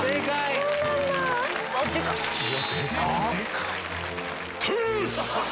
でかい！